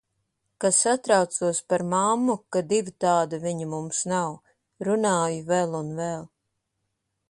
Ka satraucos par mammu, ka divu tādu viņu mums nav. Runāju vēl un vēl.